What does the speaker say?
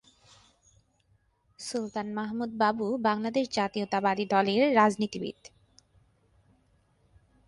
সুলতান মাহমুদ বাবু বাংলাদেশ জাতীয়তাবাদী দলের রাজনীতিবিদ।